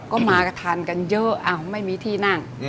ก็มาก็ทานกันเยอะไม่มีที่นั่ง